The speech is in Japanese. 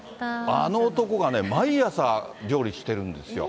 あの男がね、毎朝料理してるんですよ。